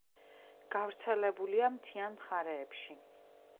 გავრცელებულია მთიან მხარეებში.